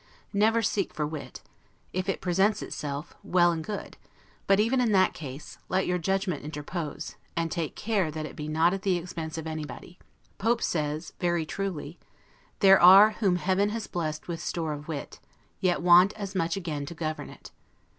Never seek for wit; if it presents itself, well and good; but, even in that case, let your judgment interpose; and take care that it be not at the expense of anybody. Pope says very truly: "There are whom heaven has blest with store of wit; Yet want as much again to govern it."